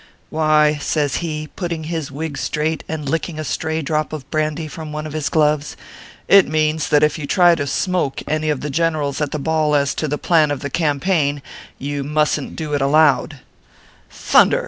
"Why," says he, putting his wig straight and licking a stray drop of brandy from one of his gloves, " it means that if you try to smoke any of the gen erals at the ball as to the plan of the campaign, you mustn t do it i aloud/ Thunder